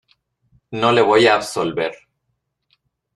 no le voy a absolver.